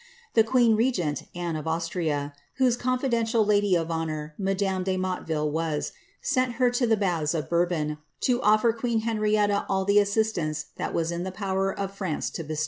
The queen regent, Anne of Austria, whose confidential lady of honour madame de Motte ville was, sent her to the baths of Bourbon, to ofier queen Henrietta all the assistance that was in the power of France to bestow.